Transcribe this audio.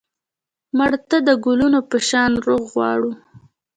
مړه ته د ګلونو په شان روح غواړو